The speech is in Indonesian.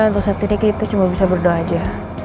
dan untuk saat ini kita cuma bisa berdoa aja